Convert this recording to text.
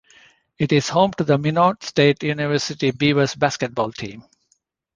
It is home to the Minot State University Beavers basketball team.